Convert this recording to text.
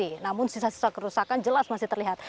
namun sisa sisa kerusakan jelas masih terlihat